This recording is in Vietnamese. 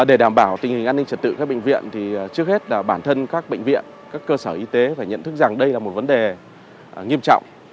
để đảm bảo tình hình an ninh trật tự các bệnh viện thì trước hết là bản thân các bệnh viện các cơ sở y tế phải nhận thức rằng đây là một vấn đề nghiêm trọng